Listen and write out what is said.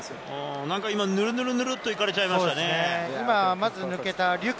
ぬるぬるぬるっといかれちゃいましたね。